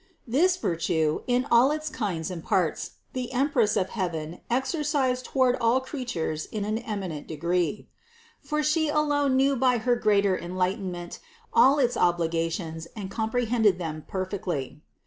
554. This virtue, in all its parts or kinds, the Empress of heaven exercised toward all creatures in an eminent degree ; for She alone knew by her greater enlightenment, all its obligations and comprehended them perfectly.